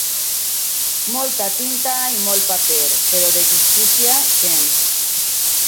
Molta tinta i molt paper, però de justícia gens.